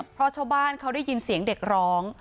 เพราะชาวบ้านเขาได้ยินเสียงเด็กร้อง